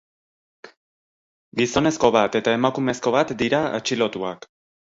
Gizonezko bat eta emakumezko bat dira atxilotuak.